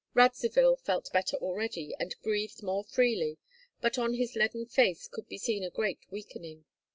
Radzivill felt better already, and breathed more freely, but on his leaden face could be seen a great weakening.